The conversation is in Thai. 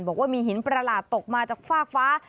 บอกว่ามีหินประหลาดตกมาจากฟากฟ้า